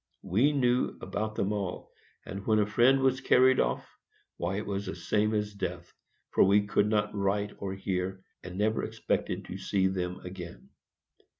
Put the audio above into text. We knew about them all; and when a friend was carried off, why, it was the same as death, for we could not write or hear, and never expected to see them again.